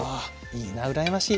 いいな羨ましい。